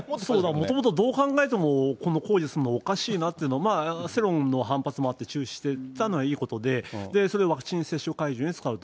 もともとどう考えても、この工事をするのはおかしいなというのは、世論の反発もあって、中止したのはいいことで、ワクチン接種会場に使うと。